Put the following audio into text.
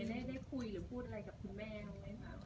ได้ได้คุยหรือพูดอะไรกับคุณแม่ไหม